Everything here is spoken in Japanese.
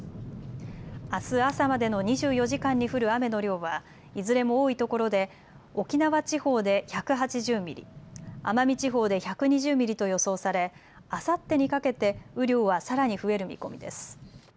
あす朝までの２４時間に降る雨の量はいずれも多いところで沖縄地方で１８０ミリ、奄美地方で１２０ミリと予想されあさってにかけて雨量はさらに増える見込みです。